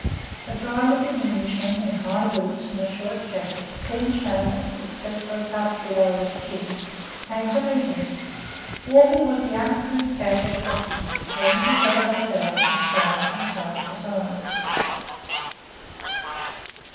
A dry looking Englishman, in high boots and a short jacket, clean shaven, except for a tuft below his chin, came to meet him, walking with the uncouth gait of jockey, turning his elbows out and swaying from side to side.